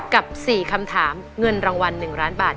กับ๔คำถามเงินรางวัล๑ล้านบาท